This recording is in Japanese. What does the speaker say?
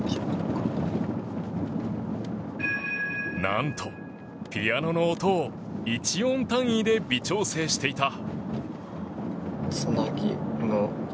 何と、ピアノの音を１音単位で微調整していた。